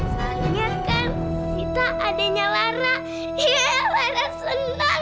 sebenarnya kan sita adanya lara iya lara senang